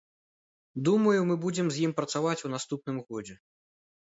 Думаю, мы будзем з ім працаваць у наступным годзе.